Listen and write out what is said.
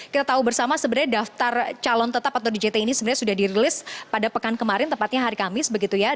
kita tahu bersama sebenarnya daftar calon tetap atau djt ini sebenarnya sudah dirilis pada pekan kemarin tepatnya hari kamis begitu ya